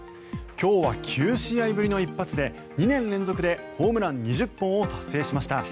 今日は９試合ぶりの一発で２年連続でホームラン２０本を達成しました。